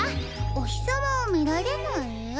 おひさまをみられない？